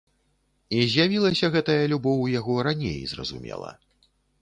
І з'явілася гэтая любоў у яго раней, зразумела.